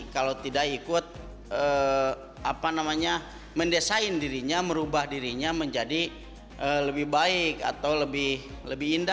kalau tidak ikut mendesain dirinya merubah dirinya menjadi lebih baik atau lebih indah